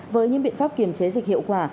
với những biện pháp kiểm chế dịch hiệu quả